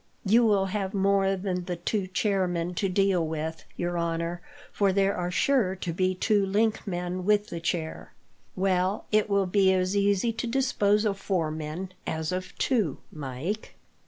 "You will have more than the two chair men to deal with, your honour, for there are sure to be two link men with the chair." "Well, it will be as easy to dispose of four men as of two, Mike."